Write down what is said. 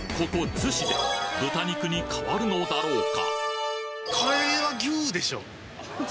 津市で豚肉に変わるのだろうか？